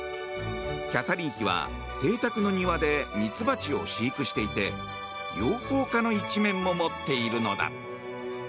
キャサリン妃は邸宅の庭でミツバチを飼育していて養蜂家の一面も持っているのだ。